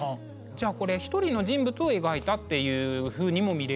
じゃあこれ一人の人物を描いたっていうふうにも見れるってことなんですね。